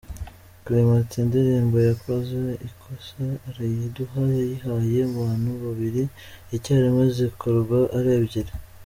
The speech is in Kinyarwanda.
Clement ati “Indirimbo yakoze ikosa arayiduha; yayihaye abantu babiri icyarimwe zikorwa ari ebyiri.